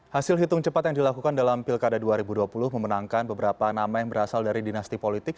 hasil hitung cepat yang dilakukan dalam pilkada dua ribu dua puluh memenangkan beberapa nama yang berasal dari dinasti politik